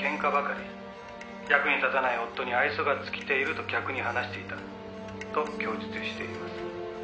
「役に立たない夫に愛想が尽きていると客に話していたと供述しています。